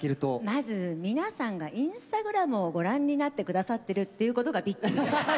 まず皆さんがＩｎｓｔａｇｒａｍをご覧になって下さってるっていうことがびっくりです。